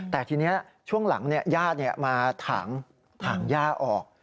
แต่ทีนี้ช่วงหลังญาติมาถางย่าออก